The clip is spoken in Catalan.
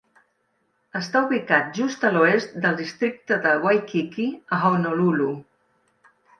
Està ubicat just a l'oest del districte de Waikiki, a Honolulu.